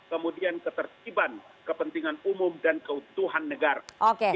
kemudian ketersibahan kepentingan umum dan keuntuhan negara